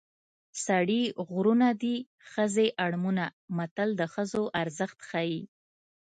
سړي غرونه دي ښځې اړمونه متل د ښځو ارزښت ښيي